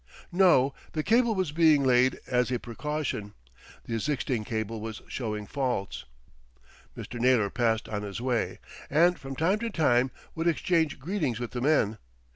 No, the cable was being laid as a precaution. The existing cable was showing faults. Mr. Naylor passed on his way, and from time to time would exchange greetings with the men.